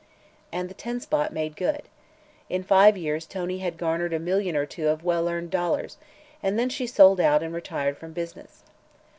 And the "Ten Spot" made good. In five years Tony had garnered a million or two of well earned dollars, and then she sold out and retired from business.